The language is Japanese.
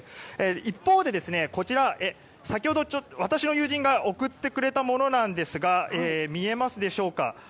一方で、こちらは先ほど、私の友人が送ってくれたものですが見えますでしょうか。